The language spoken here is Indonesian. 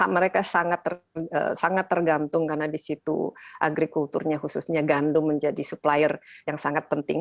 mereka sangat tergantung karena di situ agrikulturnya khususnya gandum menjadi supplier yang sangat penting